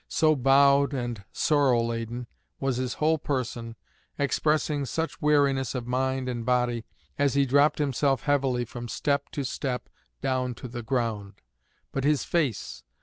So bowed and sorrow laden was his whole person, expressing such weariness of mind and body, as he dropped himself heavily from step to step down to the ground. But his face!